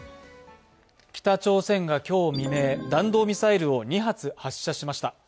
北朝鮮が今日未明、弾道ミサイルを２発発射しました。